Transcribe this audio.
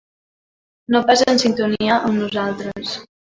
No pas en sintonia amb nosaltres.